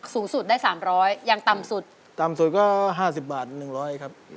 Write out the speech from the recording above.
สูงสุดได้๓๐๐บาทยังต่ำสุดต่ำสุดก็๕๐บาท๑๐๐บาทครับ